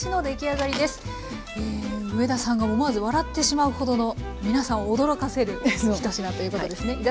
上田さんが思わず笑ってしまうほどの皆さんを驚かせる１品ということですね。